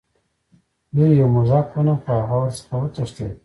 دوی یو موږک ونیو خو هغه ورڅخه وتښتید.